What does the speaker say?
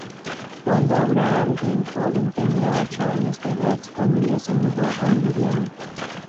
Cuando Abraham Lincoln tenía ocho años de edad, su familia se mudó a Indiana.